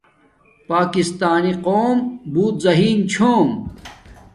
پاکسانی قوم بوت زہین چھے